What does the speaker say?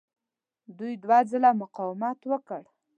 دوی دوه ځله مقاومت وکړ.